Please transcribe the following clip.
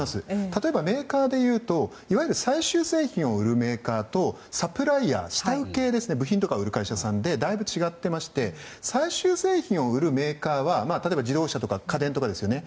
例えばメーカーでいうと例えば最終製品を売るメーカーとサプライヤー、下請け部品とかを売る会社さんでだいぶ違っていまして最終製品を売るメーカーは自動車とか家電ですよね。